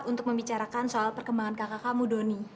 untuk membicarakan soal perkembangan kakak kamu doni